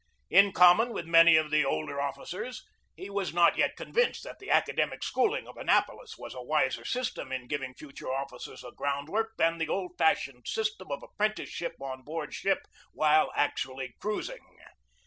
In common with many of the older officers, he was not yet convinced that the academic schooling of Annapolis was a wiser system in giving future officers a groundwork than the old fashioned system of apprenticeship on board ship while actu ally cruising.